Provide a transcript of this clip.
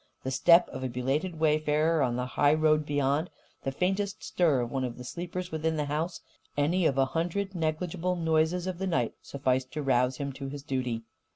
The step of a belated wayfarer on the highroad beyond, the faintest stir of one of the sleepers within the house, any of a hundred negligible noises of the night, sufficed to rouse him to his duty.